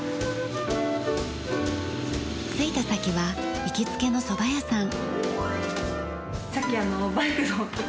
着いた先は行きつけのそば屋さん。